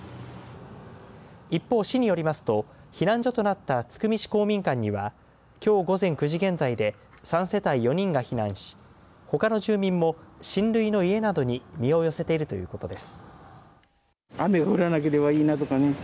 一方、市によりますと避難所となった津久見市公民館にはきょう午前９時現在で３世帯４人が避難しほかの住民も親類の家などに身を寄せているということです。